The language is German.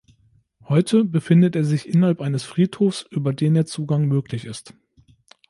Heute befindet er sich innerhalb eines Friedhofs, über den der Zugang möglich ist.